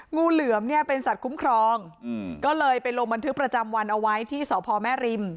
งูเหลือมเนี่ยเป็นสัตว์คุ้มครองก็เลยไปลงบันทึกประจำวันเอาไว้ที่สพแม่ริม